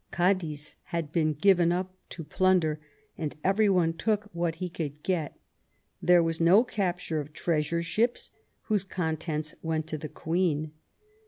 Cadiz had been given up to plunder, and every one took what he could get ; there was no capture of treasure ships whose contents went to the Queen.